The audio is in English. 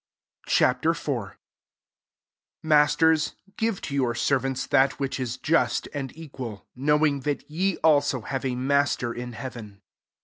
Ch. IV. 1 Masters, give to lour servants that which is ust and equal; knowing that re also have a Master in hea ven.